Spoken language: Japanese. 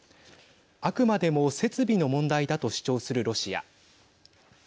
あくまでも設備の問題だと主張するロシア。